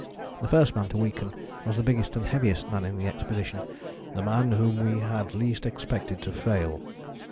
The first man to weaken was the biggest and heaviest man in the expedition: "the man whom we had least expected to fail."